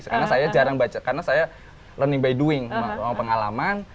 karena saya jarang baca karena saya belajar melalui pengalaman